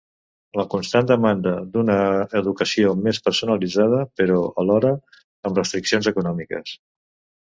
La constant demanda d'una educació més personalitzada, però alhora amb restriccions econòmiques.